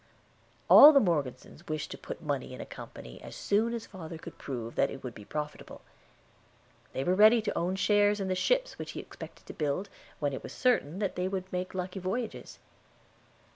All the Morgesons wished to put money in a company, as soon as father could prove that it would be profitable. They were ready to own shares in the ships which he expected to build, when it was certain that they would make lucky voyages.